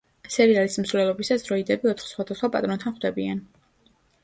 სერიალის მსვლელობისას დროიდები ოთხ სხვადასხვა პატრონთან ხვდებიან.